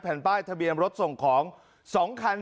แผ่นป้ายทะเบียนรถส่งของ๒คัน